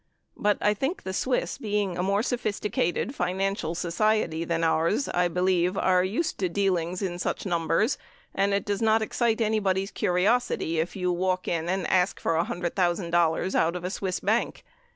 But I think the Swiss, being a more sophisticated financial society than ours, I believe, are used to dealings in such numbers, and it does not excite anybody's curiosity if you walk in and ask for $100,000 out of a Swiss bank.